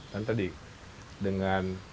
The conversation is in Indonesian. dan tadi dengan